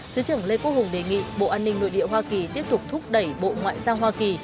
thứ trưởng lê quốc hùng đề nghị bộ an ninh nội địa hoa kỳ tiếp tục thúc đẩy bộ ngoại giao hoa kỳ